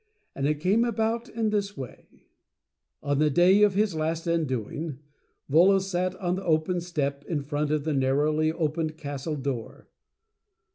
And it came about in this way. HIS LAST UNDOING. On the day of his last undoing, Volos sat on the open step, in front of the narrowly opened Castle Door.